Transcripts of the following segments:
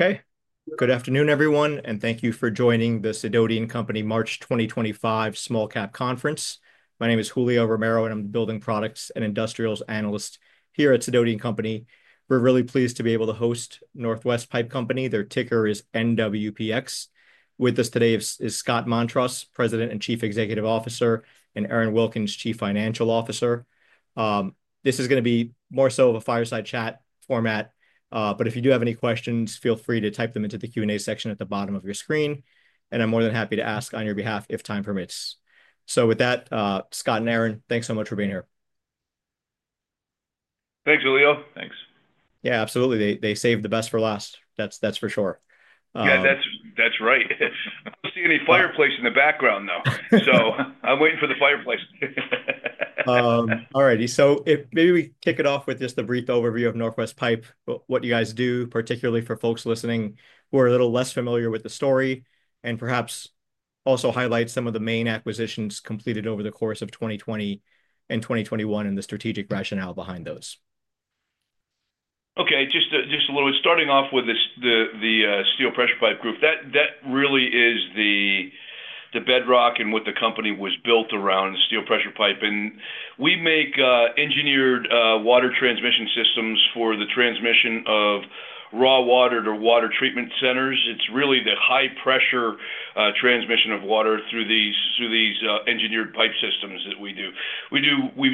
Okay. Good afternoon, everyone, and thank you for joining the Sidoti Company March 2025 Small Cap Conference. My name is Julio Romero, and I'm the Building Products and Industrials Analyst here at Sidoti Company. We're really pleased to be able to host Northwest Pipe Company. Their ticker is NWPX. With us today is Scott Montross, President and Chief Executive Officer, and Aaron Wilkins, Chief Financial Officer. This is going to be more so of a fireside chat format, but if you do have any questions, feel free to type them into the Q&A section at the bottom of your screen, and I'm more than happy to ask on your behalf if time permits. With that, Scott and Aaron, thanks so much for being here. Thanks, Julio. Thanks. Yeah, absolutely. They save the best for last. That's for sure. Yeah, that's right. I don't see any fireplace in the background, though, so I'm waiting for the fireplace. All righty. Maybe we kick it off with just a brief overview of Northwest Pipe, what you guys do, particularly for folks listening who are a little less familiar with the story, and perhaps also highlight some of the main acquisitions completed over the course of 2020 and 2021 and the strategic rationale behind those. Okay. Just a little bit starting off with the steel pressure pipe group. That really is the bedrock and what the company was built around, steel pressure pipe. We make engineered water transmission systems for the transmission of raw water to water treatment centers. It's really the high-pressure transmission of water through these engineered pipe systems that we do. We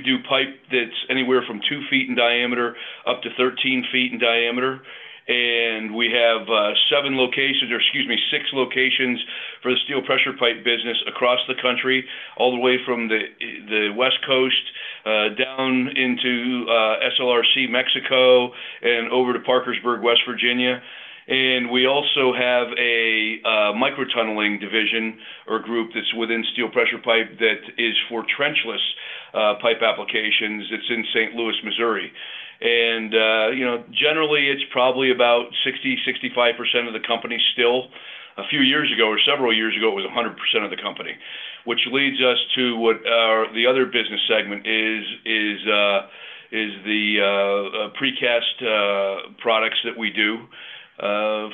do pipe that's anywhere from 2 ft in diameter up to 13 ft in diameter. We have seven locations, or excuse me, six locations for the steel pressure pipe business across the country, all the way from the West Coast down into SLRC, Mexico, and over to Parkersburg, West Virginia. We also have a microtunneling division or group that's within steel pressure pipe that is for trenchless pipe applications. It's in St. Louis, Missouri. Generally, it's probably about 60%-65% of the company still. A few years ago, or several years ago, it was 100% of the company, which leads us to what the other business segment is, is the precast products that we do.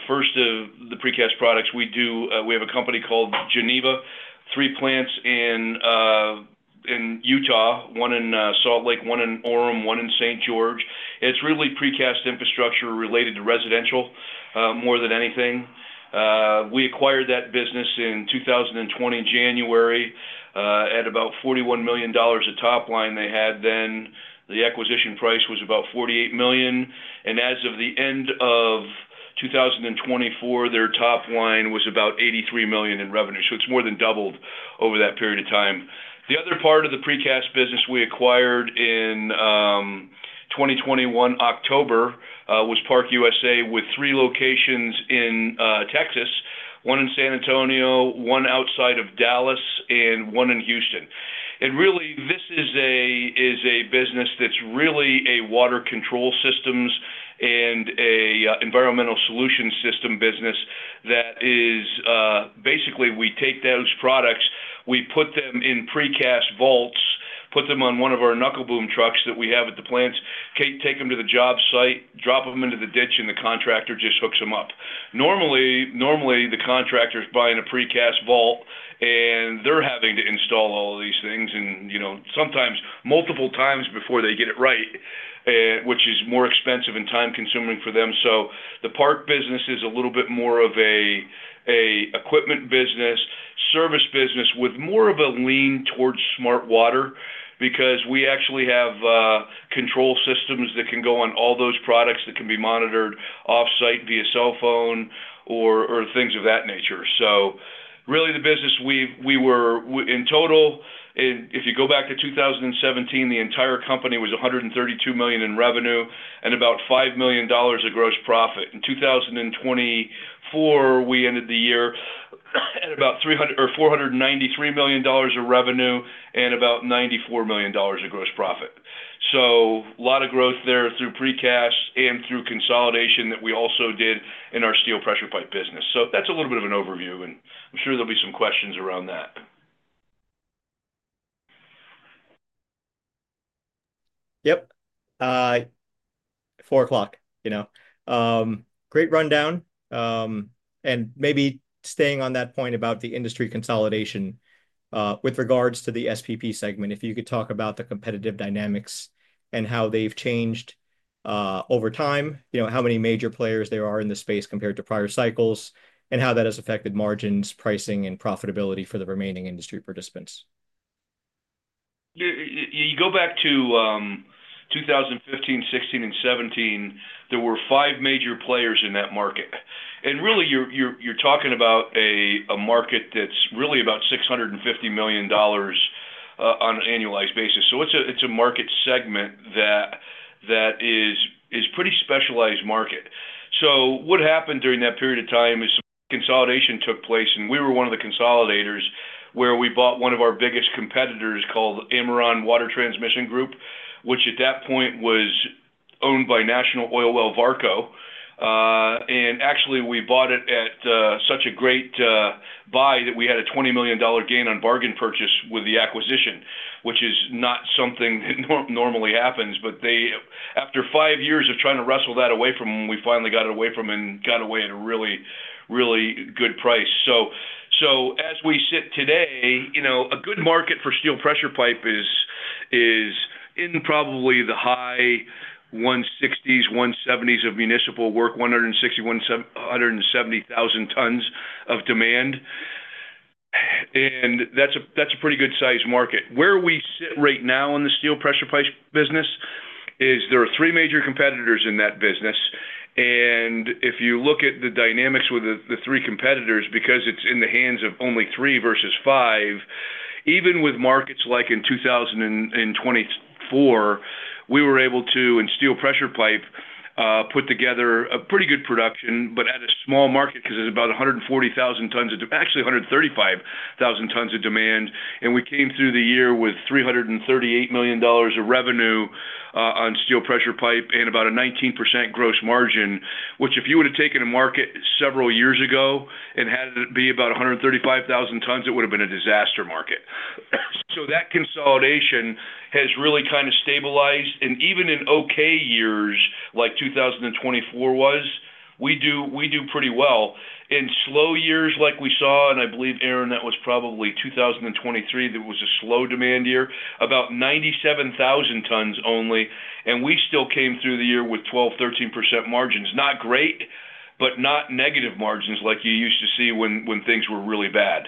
First, the precast products we do, we have a company called Geneva, three plants in Utah, one in Salt Lake, one in Orem, one in St. George. It's really precast infrastructure related to residential more than anything. We acquired that business in 2020, January, at about $41 million of top line they had. The acquisition price was about $48 million. As of the end of 2024, their top line was about $83 million in revenue. It’s more than doubled over that period of time. The other part of the precast business we acquired in 2021, October, was ParkUSA with three locations in Texas, one in San Antonio, one outside of Dallas, and one in Houston. This is a business that's really a water control systems and an environmental solution system business that is basically we take those products, we put them in precast vaults, put them on one of our knuckle boom trucks that we have at the plants, take them to the job site, drop them into the ditch, and the contractor just hooks them up. Normally, the contractor's buying a precast vault, and they're having to install all of these things and sometimes multiple times before they get it right, which is more expensive and time-consuming for them. The Park business is a little bit more of an equipment business, service business with more of a lean towards smart water because we actually have control systems that can go on all those products that can be monitored off-site via cell phone or things of that nature. Really, the business we were in total, if you go back to 2017, the entire company was $132 million in revenue and about $5 million of gross profit. In 2024, we ended the year at about $493 million of revenue and about $94 million of gross profit. A lot of growth there through precast and through consolidation that we also did in our steel pressure pipe business. That is a little bit of an overview, and I am sure there will be some questions around that. Yep. 4 o'clock. Great rundown. Maybe staying on that point about the industry consolidation with regards to the SPP segment, if you could talk about the competitive dynamics and how they've changed over time, how many major players there are in the space compared to prior cycles, and how that has affected margins, pricing, and profitability for the remaining industry participants. You go back to 2015, 2016, and 2017, there were five major players in that market. Really, you're talking about a market that's really about $650 million on an annualized basis. It is a market segment that is a pretty specialized market. What happened during that period of time is consolidation took place, and we were one of the consolidators where we bought one of our biggest competitors called Water Transmission Group, which at that point was owned by National Oilwell Varco. Actually, we bought it at such a great buy that we had a $20 million gain on bargain purchase with the acquisition, which is not something that normally happens. After five years of trying to wrestle that away from them, we finally got it away from them and got away at a really, really good price. As we sit today, a good market for steel pressure pipe is in probably the high 160s, 170s of municipal work, 160,000-170,000 tons of demand. That is a pretty good-sized market. Where we sit right now in the steel pressure pipe business is there are three major competitors in that business. If you look at the dynamics with the three competitors, because it is in the hands of only three versus five, even with markets like in 2024, we were able to, in steel pressure pipe, put together a pretty good production, but at a small market because there is about 140,000 tons of, actually 135,000 tons of demand. We came through the year with $338 million of revenue on steel pressure pipe and about a 19% gross margin, which if you would have taken a market several years ago and had it be about 135,000 tons, it would have been a disaster market. That consolidation has really kind of stabilized. Even in okay years like 2024 was, we do pretty well. In slow years like we saw, and I believe, Aaron, that was probably 2023, there was a slow demand year, about 97,000 tons only. We still came through the year with 12%-13% margins. Not great, but not negative margins like you used to see when things were really bad.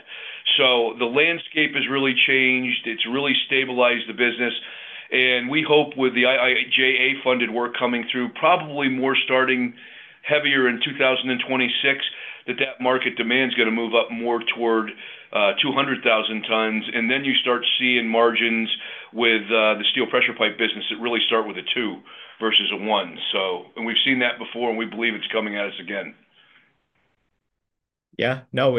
The landscape has really changed. It has really stabilized the business. We hope with the IIJA-funded work coming through, probably more starting heavier in 2026, that that market demand is going to move up more toward 200,000 tons. You start seeing margins with the steel pressure pipe business that really start with a two versus a one. We have seen that before, and we believe it is coming at us again. Yeah. No,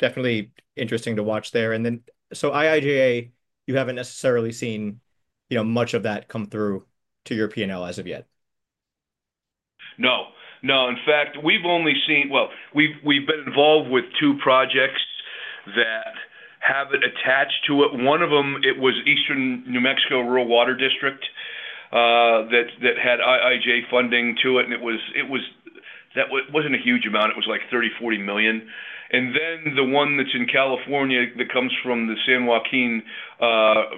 definitely interesting to watch there. IIJA, you have not necessarily seen much of that come through to your P&L as of yet. No. No. In fact, we've only seen, we've been involved with two projects that have it attached to it. One of them, it was Eastern New Mexico Rural Water District that had IIJA funding to it. It wasn't a huge amount. It was like $30 million, $40 million. The one that's in California that comes from the San Joaquin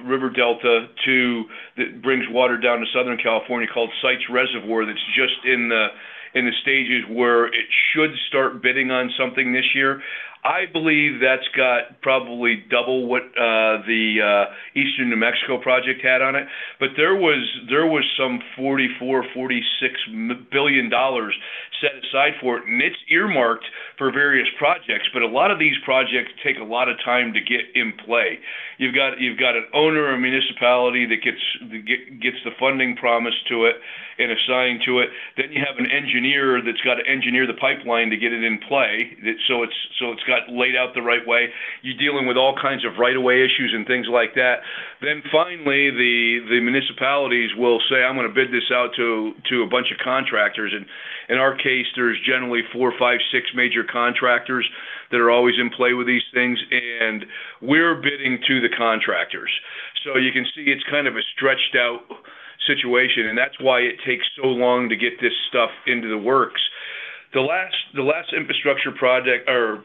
River Delta that brings water down to Southern California called Sites Reservoir, that's just in the stages where it should start bidding on something this year. I believe that's got probably double what the Eastern New Mexico project had on it. There was some $44 billion, $46 billion set aside for it. It's earmarked for various projects, but a lot of these projects take a lot of time to get in play. You've got an owner, a municipality that gets the funding promised to it and assigned to it. You have an engineer that's got to engineer the pipeline to get it in play. It has to be laid out the right way. You're dealing with all kinds of right-of-way issues and things like that. Finally, the municipalities will say, "I'm going to bid this out to a bunch of contractors." In our case, there are generally four, five, six major contractors that are always in play with these things. We're bidding to the contractors. You can see it's kind of a stretched-out situation. That's why it takes so long to get this stuff into the works. The last infrastructure project or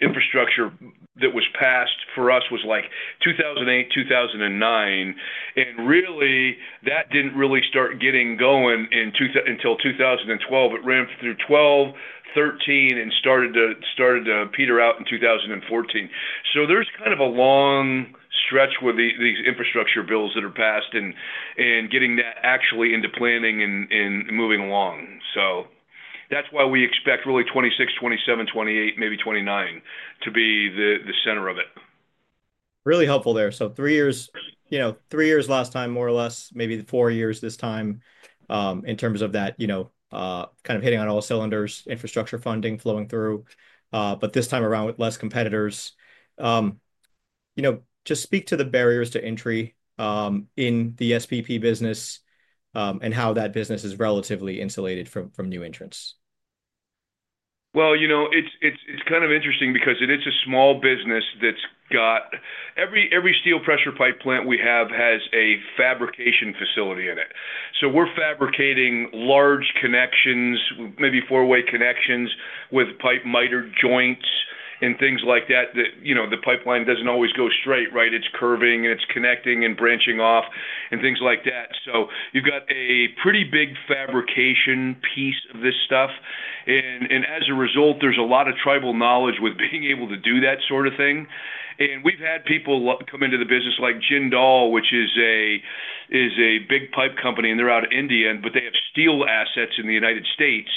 infrastructure that was passed for us was like 2008, 2009. That didn't really start getting going until 2012. It ramped through 2012, 2013, and started to peter out in 2014. There is kind of a long stretch with these infrastructure bills that are passed and getting that actually into planning and moving along. That is why we expect really 2026, 2027, 2028, maybe 2029 to be the center of it. Really helpful there. Three years last time, more or less, maybe four years this time in terms of that kind of hitting on all cylinders, infrastructure funding flowing through, but this time around with less competitors. Just speak to the barriers to entry in the SPP business and how that business is relatively insulated from new entrants. It is kind of interesting because it is a small business that has every steel pressure pipe plant we have has a fabrication facility in it. We are fabricating large connections, maybe four-way connections with pipe miter joints and things like that that the pipeline does not always go straight, right? It is curving, and it is connecting and branching off and things like that. You have got a pretty big fabrication piece of this stuff. As a result, there is a lot of tribal knowledge with being able to do that sort of thing. We have had people come into the business like Jindal, which is a big pipe company, and they are out of India, but they have steel assets in the United States.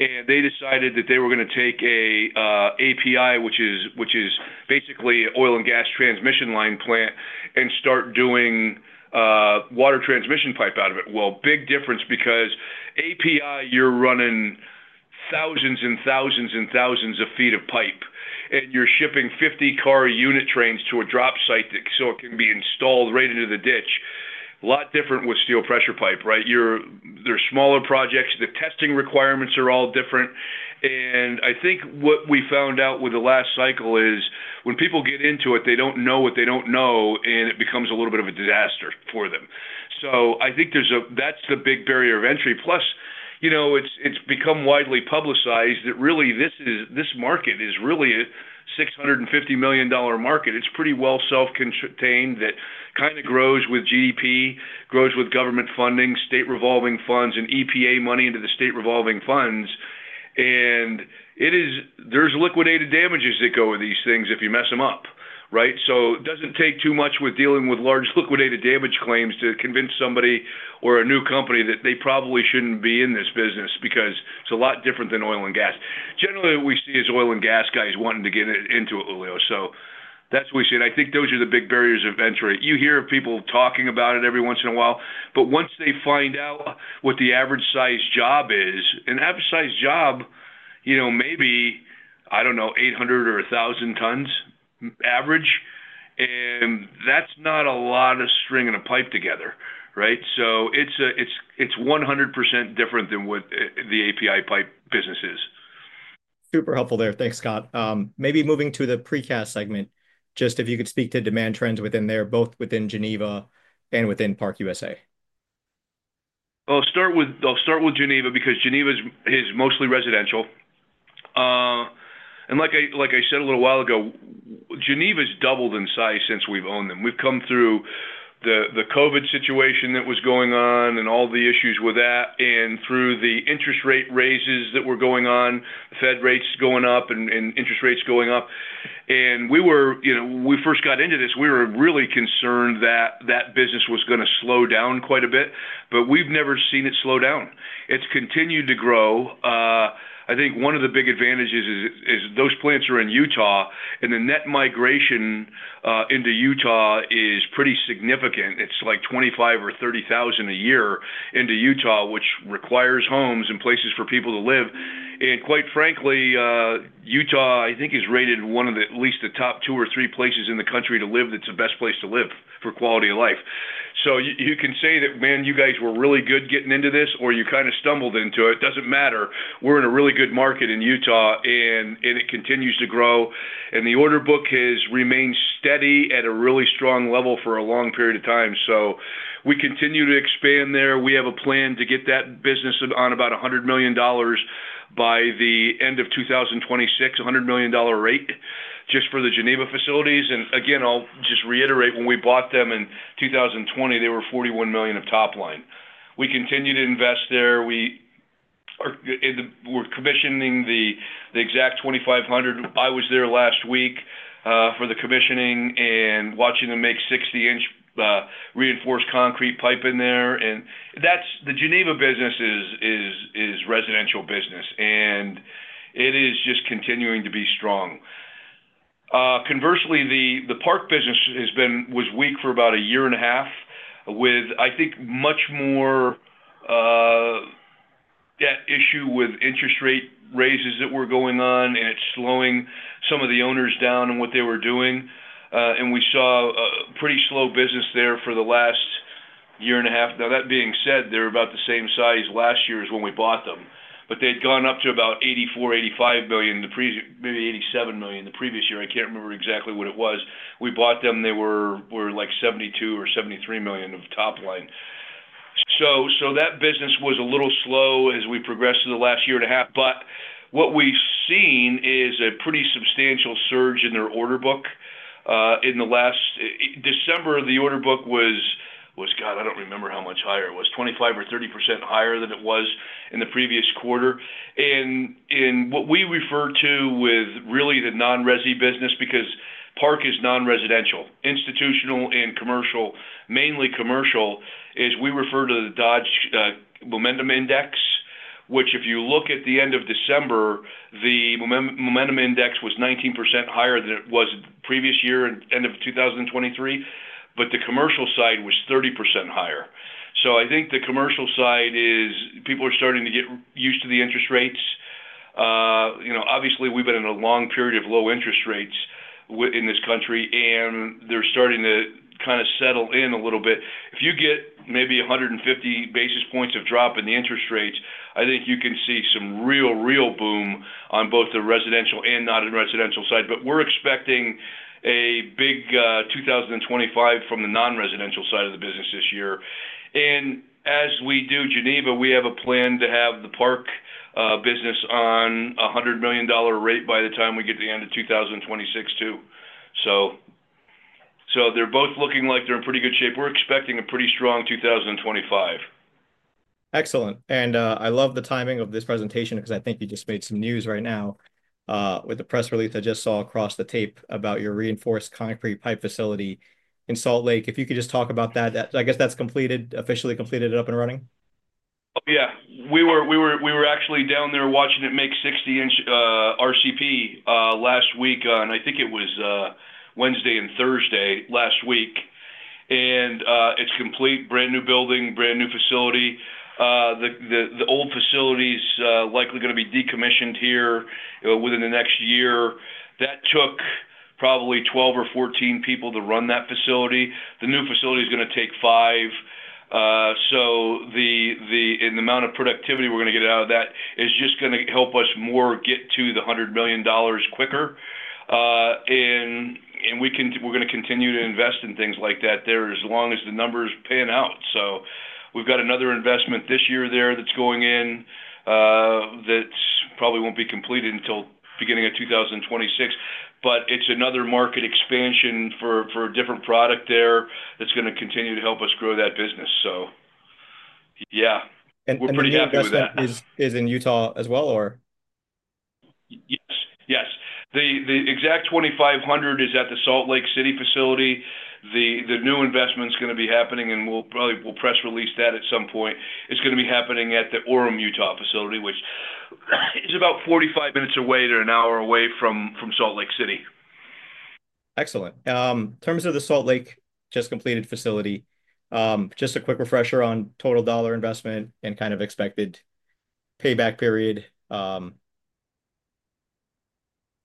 They decided that they were going to take an API, which is basically an oil and gas transmission line plant, and start doing water transmission pipe out of it. Big difference because API, you're running thousands and thousands and thousands of feet of pipe, and you're shipping 50-car unit trains to a drop site so it can be installed right into the ditch. A lot different with steel pressure pipe, right? They're smaller projects. The testing requirements are all different. I think what we found out with the last cycle is when people get into it, they don't know what they don't know, and it becomes a little bit of a disaster for them. I think that's the big barrier of entry. Plus, it's become widely publicized that really this market is really a $650 million market. It's pretty well self-contained that kind of grows with GDP, grows with government funding, state revolving funds, and EPA money into the state revolving funds. There's liquidated damages that go with these things if you mess them up, right? It doesn't take too much with dealing with large liquidated damage claims to convince somebody or a new company that they probably shouldn't be in this business because it's a lot different than oil and gas. Generally, what we see is oil and gas guys wanting to get into it, Julio. That's what we see. I think those are the big barriers of entry. You hear people talking about it every once in a while. Once they find out what the average-sized job is, an average-sized job, maybe, I don't know, 800 or 1,000 tons average. That is not a lot of string and a pipe together, right? It is 100% different than what the API pipe business is. Super helpful there. Thanks, Scott. Maybe moving to the precast segment, just if you could speak to demand trends within there, both within Geneva and within ParkUSA. I'll start with Geneva because Geneva is mostly residential. Like I said a little while ago, Geneva has doubled in size since we've owned them. We've come through the COVID situation that was going on and all the issues with that and through the interest rate raises that were going on, Fed rates going up and interest rates going up. When we first got into this, we were really concerned that that business was going to slow down quite a bit, but we've never seen it slow down. It's continued to grow. I think one of the big advantages is those plants are in Utah, and the net migration into Utah is pretty significant. It's like 25,000 or 30,000 a year into Utah, which requires homes and places for people to live. Quite frankly, Utah, I think, is rated one of at least the top two or three places in the country to live, that's the best place to live for quality of life. You can say that, "Man, you guys were really good getting into this," or "You kind of stumbled into it." It does not matter. We are in a really good market in Utah, and it continues to grow. The order book has remained steady at a really strong level for a long period of time. We continue to expand there. We have a plan to get that business on about $100 million by the end of 2026, a $100 million rate just for the Geneva facilities. Again, I will just reiterate, when we bought them in 2020, they were $41 million of top line. We continue to invest there. We are commissioning the Exact 2500. I was there last week for the commissioning and watching them make 60in reinforced concrete pipe in there. The Geneva business is residential business, and it is just continuing to be strong. Conversely, the Park business was weak for about a year and a half with, I think, much more that issue with interest rate raises that were going on, and it is slowing some of the owners down and what they were doing. We saw a pretty slow business there for the last year and a half. That being said, they are about the same size last year as when we bought them, but they had gone up to about $84 million-$85 million, maybe $87 million the previous year. I cannot remember exactly what it was. We bought them, they were like $72 million or $73 million of top line. That business was a little slow as we progressed through the last year and a half. What we have seen is a pretty substantial surge in their order book in the last December. The order book was, God, I do not remember how much higher it was, 25% or 30% higher than it was in the previous quarter. What we refer to with really the non-resi business, because Park is non-residential, institutional, and commercial, mainly commercial, is we refer to the Dodge Momentum Index, which if you look at the end of December, the Momentum Index was 19% higher than it was the previous year and end of 2023, but the commercial side was 30% higher. I think the commercial side is people are starting to get used to the interest rates. Obviously, we've been in a long period of low interest rates in this country, and they're starting to kind of settle in a little bit. If you get maybe 150 basis points of drop in the interest rates, I think you can see some real, real boom on both the residential and non-residential side. We are expecting a big 2025 from the non-residential side of the business this year. As we do Geneva, we have a plan to have the Park business on a $100 million rate by the time we get to the end of 2026 too. They are both looking like they are in pretty good shape. We are expecting a pretty strong 2025. Excellent. I love the timing of this presentation because I think you just made some news right now with the press release I just saw across the tape about your reinforced concrete pipe facility in Salt Lake. If you could just talk about that, I guess that's officially completed and up and running. Yeah. We were actually down there watching it make 60-inch RCP last week, and I think it was Wednesday and Thursday last week. It is complete, brand new building, brand new facility. The old facility is likely going to be decommissioned here within the next year. That took probably 12 or 14 people to run that facility. The new facility is going to take five. The amount of productivity we are going to get out of that is just going to help us more get to the $100 million quicker. We are going to continue to invest in things like that there as long as the number is paying out. We have got another investment this year there that is going in that probably will not be completed until beginning of 2026. It is another market expansion for a different product there that is going to continue to help us grow that business. Yeah. We're pretty happy with that. That is in Utah as well, or? Yes. Yes. The Exact 2500 is at the Salt Lake City facility. The new investment's going to be happening, and we'll press release that at some point. It's going to be happening at the Orem, Utah facility, which is about 45 minutes away to an hour away from Salt Lake City. Excellent. In terms of the Salt Lake just completed facility, just a quick refresher on total dollar investment and kind of expected payback period.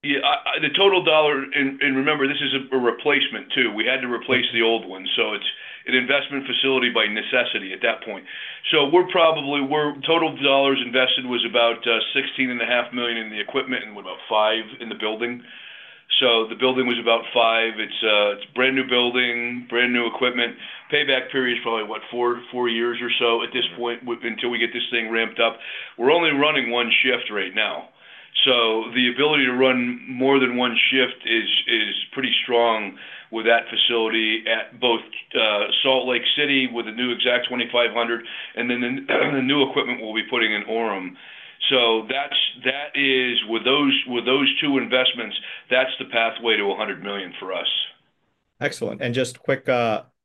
Yeah. The total dollar, and remember, this is a replacement too. We had to replace the old one. It is an investment facility by necessity at that point. Total dollars invested was about $16.5 million in the equipment and about $5 million in the building. The building was about $5 million. It is a brand new building, brand new equipment. Payback period is probably, what, four years or so at this point until we get this thing ramped up. We're only running one shift right now. The ability to run more than one shift is pretty strong with that facility at both Salt Lake City with the new Exact 2500, and then the new equipment we'll be putting in Orem. With those two investments, that's the pathway to $100 million for us. Excellent. Just quick,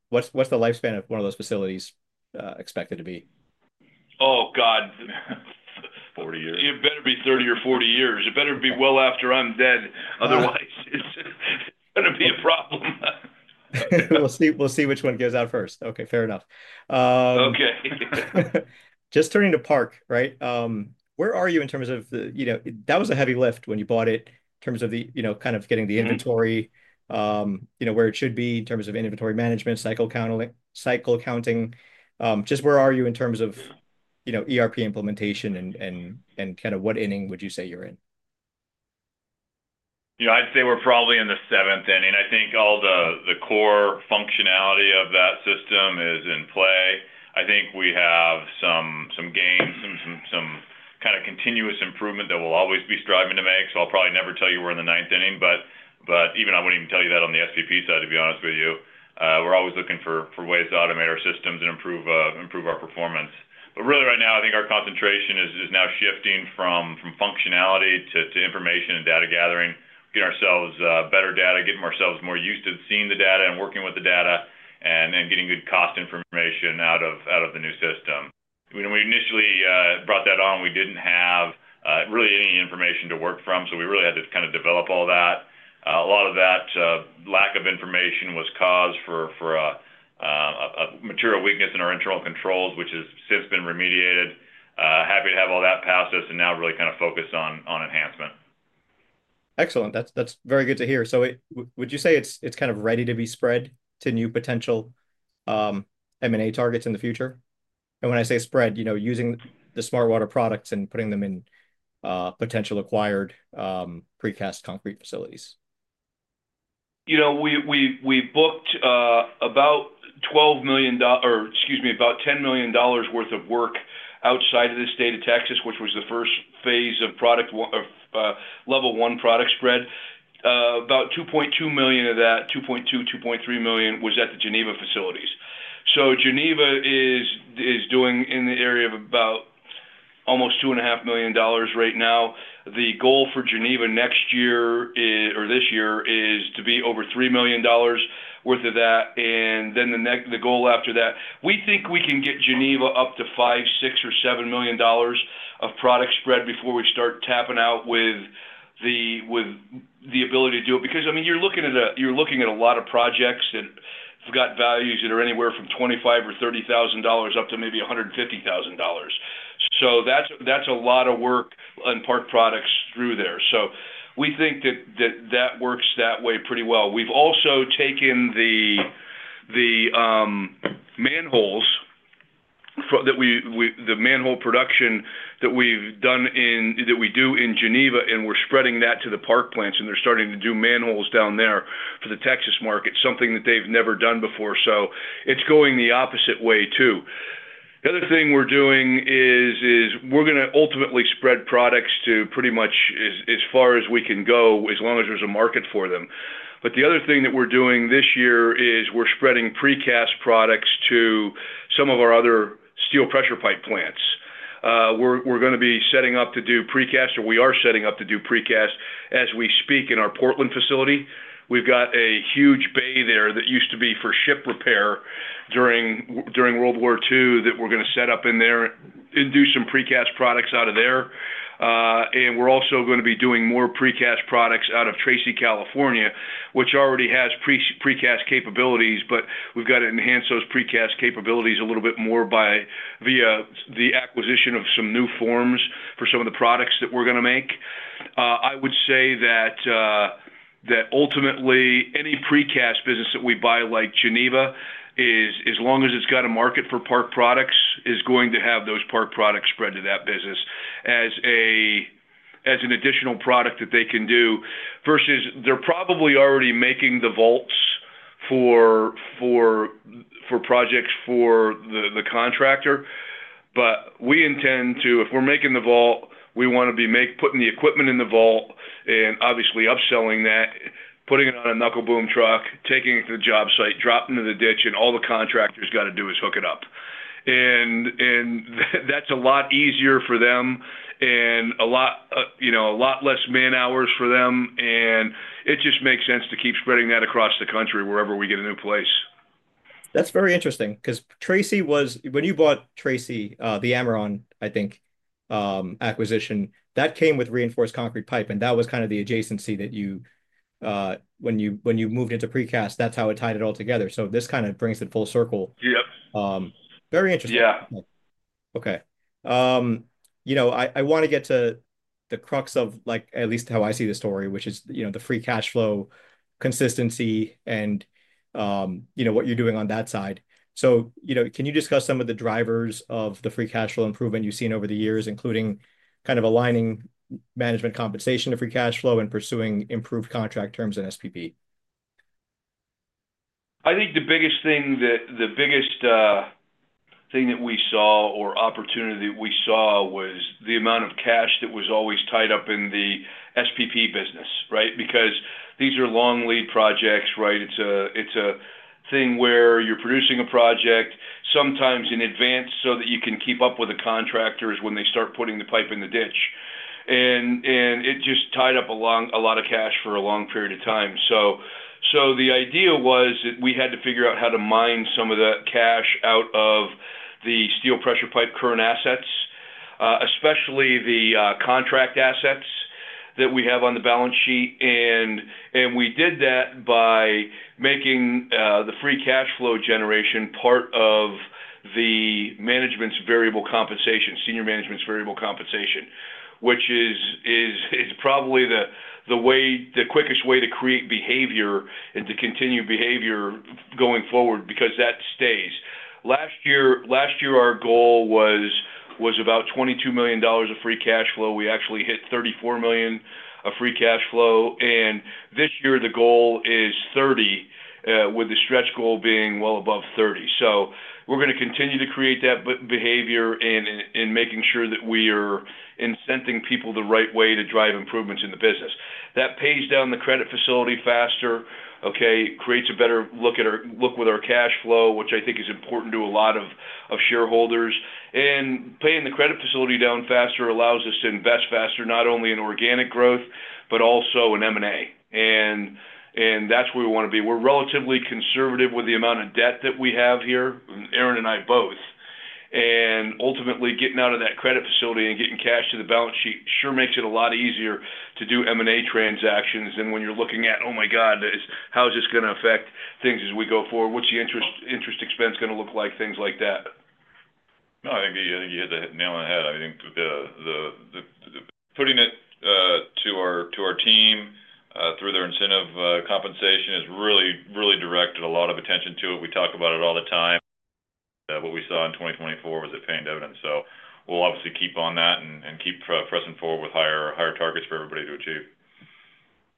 what's the lifespan of one of those facilities expected to be? Oh, God. Forty years. It better be thirty or forty years. It better be well after I'm dead. Otherwise, it's going to be a problem. We'll see which one goes out first. Okay. Fair enough. Okay. Just turning to Park, right? Where are you in terms of the—that was a heavy lift when you bought it in terms of kind of getting the inventory where it should be in terms of inventory management, cycle counting, cycle counting. Just where are you in terms of ERP implementation and kind of what inning would you say you're in? Yeah. I'd say we're probably in the seventh inning. I think all the core functionality of that system is in play. I think we have some gains, some kind of continuous improvement that we'll always be striving to make. I'll probably never tell you we're in the ninth inning. I wouldn't even tell you that on the SPP side, to be honest with you. We're always looking for ways to automate our systems and improve our performance. Right now, I think our concentration is now shifting from functionality to information and data gathering, getting ourselves better data, getting ourselves more used to seeing the data and working with the data, and then getting good cost information out of the new system. When we initially brought that on, we did not have really any information to work from, so we really had to kind of develop all that. A lot of that lack of information was cause for a material weakness in our internal controls, which has since been remediated. Happy to have all that past us and now really kind of focus on enhancement. Excellent. That's very good to hear. Would you say it's kind of ready to be spread to new potential M&A targets in the future? When I say spread, using the smart water products and putting them in potential acquired precast concrete facilities. We booked about $12 million or, excuse me, about $10 million worth of work outside of the state of Texas, which was the first phase of level one product spread. About $2.2 million of that, $2.2-$2.3 million, was at the Geneva facilities. So Geneva is doing in the area of about almost $2.5 million right now. The goal for Geneva next year or this year is to be over $3 million worth of that. The goal after that, we think we can get Geneva up to $5 million,$6 million or $7 million of product spread before we start tapping out with the ability to do it. I mean, you're looking at a lot of projects that have got values that are anywhere from $25,000 or $30,000 up to maybe $150,000. That is a lot of work on Park products through there. We think that that works that way pretty well. We have also taken the manholes that we—the manhole production that we have done in that we do in Geneva, and we are spreading that to the Park plants, and they are starting to do manholes down there for the Texas market, something that they have never done before.It is going the opposite way too. The other thing we are doing is we are going to ultimately spread products to pretty much as far as we can go as long as there is a market for them. The other thing that we are doing this year is we are spreading precast products to some of our other steel pressure pipe plants. We are going to be setting up to do precast, or we are setting up to do precast as we speak in our Portland facility. We've got a huge bay there that used to be for ship repair during World War II that we're going to set up in there and do some precast products out of there. We're also going to be doing more precast products out of Tracy, California, which already has precast capabilities, but we've got to enhance those precast capabilities a little bit more via the acquisition of some new forms for some of the products that we're going to make. I would say that ultimately, any precast business that we buy like Geneva, as long as it's got a market for park products, is going to have those park products spread to that business as an additional product that they can do versus they're probably already making the vaults for projects for the contractor. We intend to, if we're making the vault, we want to be putting the equipment in the vault and obviously upselling that, putting it on a knuckle boom truck, taking it to the job site, dropping it in the ditch, and all the contractors got to do is hook it up. That is a lot easier for them and a lot less man hours for them. It just makes sense to keep spreading that across the country wherever we get a new place. That's very interesting because Tracy was—when you bought Tracy, the Ameron, I think, acquisition, that came with reinforced concrete pipe, and that was kind of the adjacency that you—when you moved into precast, that's how it tied it all together. This kind of brings it full circle. Yep. Very interesting. Yeah. Okay. I want to get to the crux of at least how I see the story, which is the free cash flow consistency and what you're doing on that side. Can you discuss some of the drivers of the free cash flow improvement you've seen over the years, including kind of aligning management compensation to free cash flow and pursuing improved contract terms in SPP? I think the biggest thing, the biggest thing that we saw or opportunity that we saw was the amount of cash that was always tied up in the SPP business, right? Because these are long lead projects, right? It's a thing where you're producing a project sometimes in advance so that you can keep up with the contractors when they start putting the pipe in the ditch. It just tied up a lot of cash for a long period of time. The idea was that we had to figure out how to mine some of the cash out of the steel pressure pipe current assets, especially the contract assets that we have on the balance sheet. We did that by making the free cash flow generation part of management's variable compensation, senior management's variable compensation, which is probably the quickest way to create behavior and to continue behavior going forward because that stays. Last year, our goal was about $22 million of free cash flow. We actually hit $34 million of free cash flow. This year, the goal is $30 million, with the stretch goal being well above $30 million. We are going to continue to create that behavior and make sure that we are incenting people the right way to drive improvements in the business. That pays down the credit facility faster, creates a better look with our cash flow, which I think is important to a lot of shareholders. Paying the credit facility down faster allows us to invest faster, not only in organic growth, but also in M&A. That is where we want to be. We are relatively conservative with the amount of debt that we have here, Aaron and I both. Ultimately, getting out of that credit facility and getting cash to the balance sheet sure makes it a lot easier to do M&A transactions than when you are looking at, "Oh my God, how is this going to affect things as we go forward? What is the interest expense going to look like?" Things like that. I think you hit the nail on the head. I think putting it to our team through their incentive compensation has really directed a lot of attention to it. We talk about it all the time. What we saw in 2024 was it pained evidence. We will obviously keep on that and keep pressing forward with higher targets for everybody to achieve.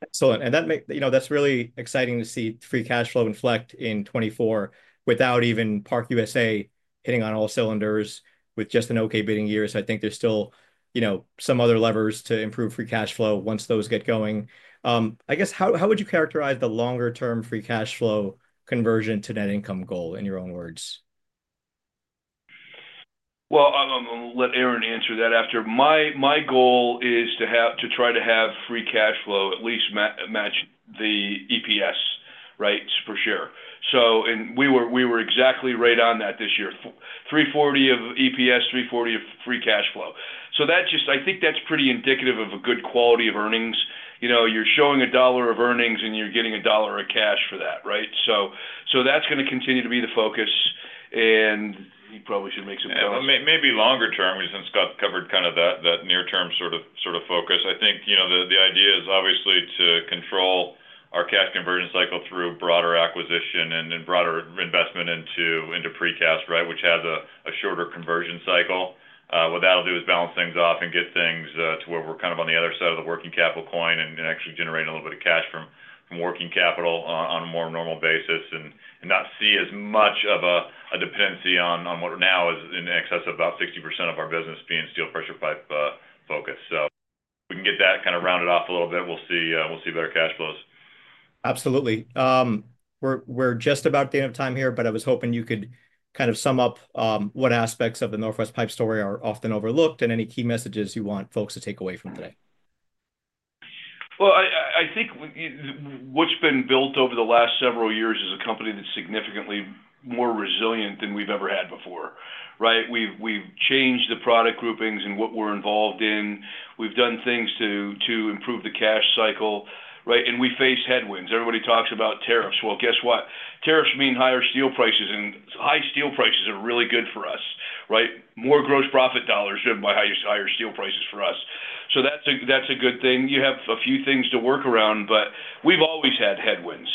Excellent. That is really exciting to see free cash flow inflect in 2024 without even ParkUSA hitting on all cylinders with just an okay bidding year. I think there are still some other levers to improve free cash flow once those get going. I guess, how would you characterize the longer-term free cash flow conversion to net income goal in your own words? I'll let Aaron answer that after. My goal is to try to have free cash flow at least match the EPS, right, for sure. We were exactly right on that this year. $3.40 of EPS, $3.40 of free cash flow. I think that's pretty indicative of a good quality of earnings. You're showing a dollar of earnings, and you're getting a dollar of cash for that, right? That is going to continue to be the focus. He probably should make some comments. Maybe longer-term, since Scott covered kind of that near-term sort of focus. I think the idea is obviously to control our cash conversion cycle through broader acquisition and broader investment into precast, right, which has a shorter conversion cycle. What that'll do is balance things off and get things to where we're kind of on the other side of the working capital coin and actually generating a little bit of cash from working capital on a more normal basis and not see as much of a dependency on what we're now is in excess of about 60% of our business being steel pressure pipe focus. We can get that kind of rounded off a little bit. We'll see better cash flows. Absolutely. We're just about done of time here, but I was hoping you could kind of sum up what aspects of the Northwest Pipe story are often overlooked and any key messages you want folks to take away from today. I think what's been built over the last several years is a company that's significantly more resilient than we've ever had before, right? We've changed the product groupings and what we're involved in. We've done things to improve the cash cycle, right? We face headwinds. Everybody talks about tariffs. Guess what? Tariffs mean higher steel prices, and high steel prices are really good for us, right? More gross profit dollars driven by higher steel prices for us. That's a good thing. You have a few things to work around, but we've always had headwinds.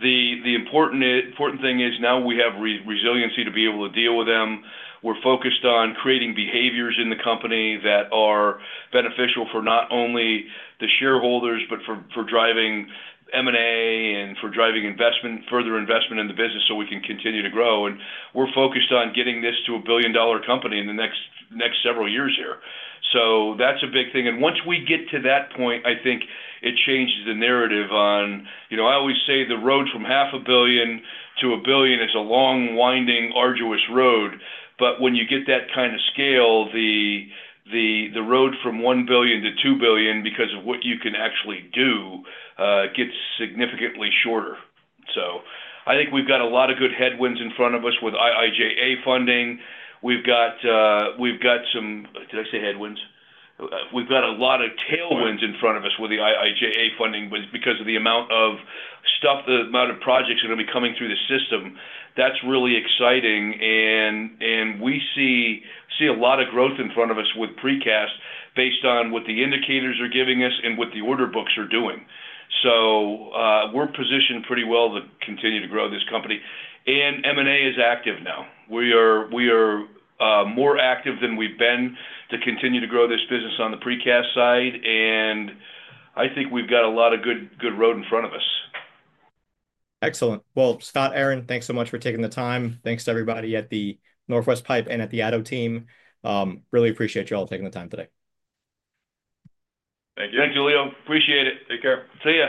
The important thing is now we have resiliency to be able to deal with them. We're focused on creating behaviors in the company that are beneficial for not only the shareholders, but for driving M&A and for driving further investment in the business so we can continue to grow. We're focused on getting this to a billion-dollar company in the next several years here. That's a big thing. Once we get to that point, I think it changes the narrative on—I always say the road from half a billion to a billion is a long, winding, arduous road. When you get that kind of scale, the road from $1 billion to $2 billion, because of what you can actually do, gets significantly shorter. I think we've got a lot of good headwinds in front of us with IIJA funding. We've got some—did I say headwinds? We've got a lot of tailwinds in front of us with the IIJA funding, but it's because of the amount of stuff, the amount of projects that are going to be coming through the system. That's really exciting. We see a lot of growth in front of us with precast based on what the indicators are giving us and what the order books are doing. We are positioned pretty well to continue to grow this company. M&A is active now. We are more active than we've been to continue to grow this business on the precast side. I think we've got a lot of good road in front of us. Excellent. Scott, Aaron, thanks so much for taking the time. Thanks to everybody at Northwest Pipe and at the Addo team. Really appreciate you all taking the time today. Thank you. Thanks, Julio. Appreciate it. Take care. See you.